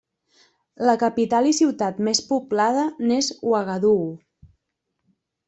La capital i ciutat més poblada n'és Ouagadougou.